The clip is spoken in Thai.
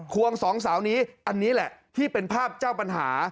วงสองสาวนี้อันนี้แหละที่เป็นภาพเจ้าปัญหา